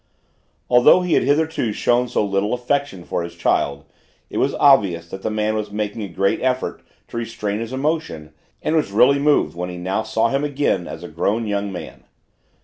Although he had hitherto shown so little affection for his child, it was obvious that the man was making a great effort to restrain his emotion, and was really moved when he now saw him again as a grown young man.